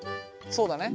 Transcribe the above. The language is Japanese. そうだね。